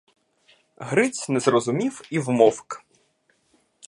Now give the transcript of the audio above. Гриць не зрозумів і вмовк.